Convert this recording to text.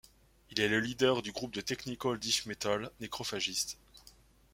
Il est le leader du groupe de technical death metal Necrophagist.